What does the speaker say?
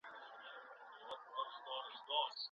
که د خوارځواکۍ درملنه وسي، نو ماشومان نه ضعیفه کیږي.